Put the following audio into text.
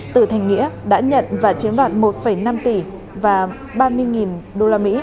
từ thành nghĩa đã nhận và chiếm đoạt một năm tỷ và ba mươi usd